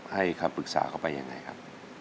ให้คำปรึกษาเข้าไปยังไงครับ